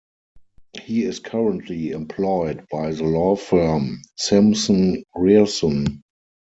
He is currently employed by the law firm Simpson Grierson.